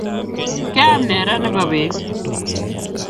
Keam ne raa nebo beet?